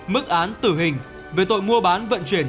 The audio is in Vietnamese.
mức án tử hình về tội mua bán vận chuyển